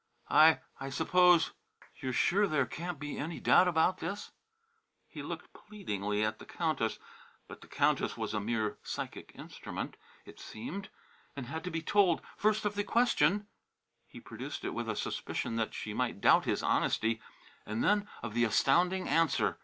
"I I suppose you're sure there can't be any doubt about this?" He looked pleadingly at the Countess. But the Countess was a mere psychic instrument, it seemed, and had to be told, first of the question he produced it with a suspicion that she might doubt his honesty and then of the astounding answer.